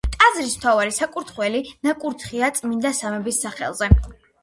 ტაძრის მთავარი საკურთხეველი ნაკურთხია წმინდა სამების სახელზე.